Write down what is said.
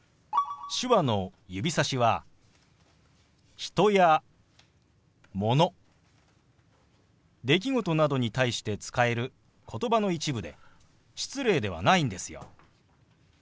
手話の指さしは人やもの出来事などに対して使える言葉の一部で失礼ではないんですよ。